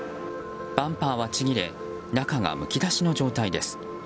バンパーはちぎれ中がむき出しの状態です。